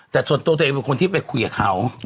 แต่ส่วนตัวตัวเองเป็นคนที่ไปคุยกับเขา